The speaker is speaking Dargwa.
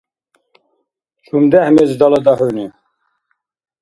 ЧумдехӀ мез далада хӀуни?